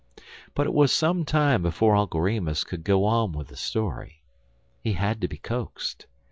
But it was some time before Uncle Remus would go on with the story. He had to be coaxed.